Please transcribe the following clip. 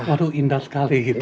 aduh indah sekali gitu